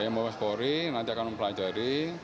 mabes polri nanti akan mempelajari